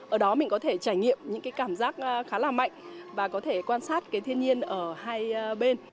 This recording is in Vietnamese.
ở đó mình có thể trải nghiệm những cái cảm giác khá là mạnh và có thể quan sát cái thiên nhiên ở hai bên